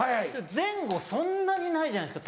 前後そんなにないじゃないですか